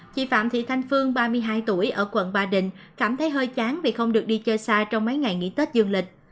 chị phạm thị thanh phương ba mươi hai tuổi ở quận ba đình cảm thấy hơi chán vì không được đi chơi xa trong mấy ngày nghỉ tết dương lịch